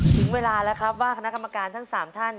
ถึงเวลาแล้วครับว่าคณะกรรมการทั้ง๓ท่าน